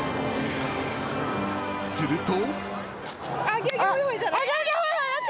［すると］